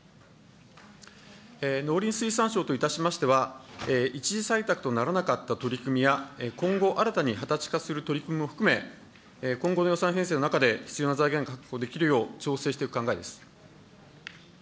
農林水産省といたしましては、いちじ採択とならなかった取り組みや、今後、新たに畑地化する取り組みも含め、今後の予算編成の中で必要な財源確保できるよう、調整していく考えです。